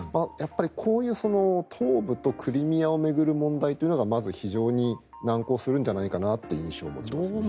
やっぱりこういう東部とクリミアを巡る問題というのがまず、非常に難航するんじゃないかなという印象を持ちます。